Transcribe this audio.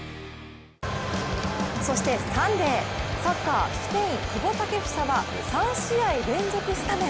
そしてサンデーサッカー、スペイン・久保建英は３試合連続スタメン。